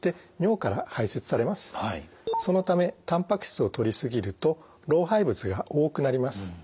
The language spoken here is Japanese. そのためたんぱく質をとりすぎると老廃物が多くなります。